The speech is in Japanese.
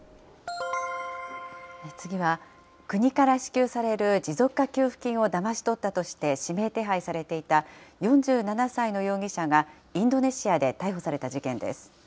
次は、国から支給される持続化給付金をだまし取ったとして指名手配されていた４７歳の容疑者がインドネシアで逮捕された事件です。